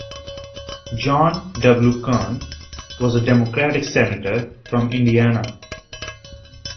John W. Kern was a Democratic Senator from Indiana.